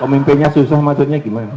pemimpinnya susah maksudnya gimana